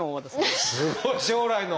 すごい将来の。